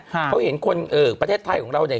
เขาเห็นคนประเทศไทยของเราเนี่ย